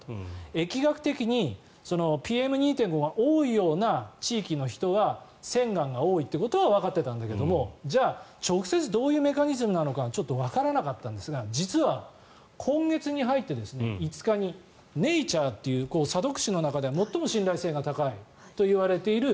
疫学的にＰＭ２．５が多いような地域の人は腺がんが多いということはわかっていたんだけど直接、どういうメカニズムなのかわからなかったんですが実は今月に入って５日に「ネイチャー」という査読誌の中では最も信頼性が高いといわれている